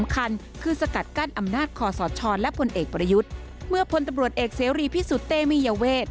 กับบรวจเอกเสรีพิสุเตมียเวท